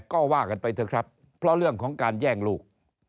ก็ว่ากันไปเถอะครับเพราะเรื่องของการแย่งลูก